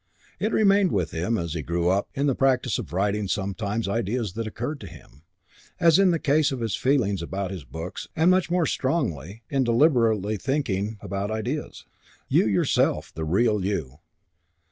It remained with him, as he grew up, in the practice of writing sometimes ideas that occurred to him, as in the case of his feelings about his books and much more strongly in deliberately thinking out ideas. "You yourself. The real you."